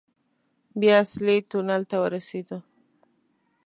بيا اصلي تونل ته ورسېدو.